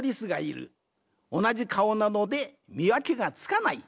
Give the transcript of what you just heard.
おなじかおなのでみわけがつかない。